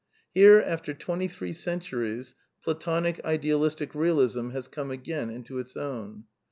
Here, after twenty three centuries, Platonic Idealistic Sealism has come again into its own.